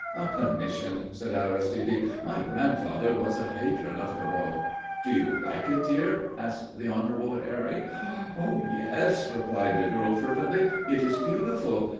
"A commission," said Aristide. "My grandfather was a patron of Corot." "Do you like it, dear?" asked the Honourable Harry. "Oh, yes!" replied the girl, fervently. "It is beautiful.